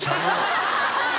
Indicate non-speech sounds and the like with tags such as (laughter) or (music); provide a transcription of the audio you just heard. ハハハ (laughs)